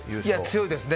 強いですね。